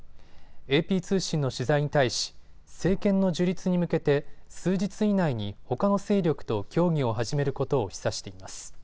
ＡＰ通信の取材に対し政権の樹立に向けて数日以内にほかの勢力と協議を始めることを示唆しています。